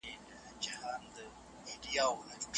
دا یخه کوټه د انا لپاره د یوازیتوب ځای دی.